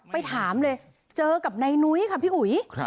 ไปถามเลยเจอกับนายนุ้ยค่ะพี่อุ๋ย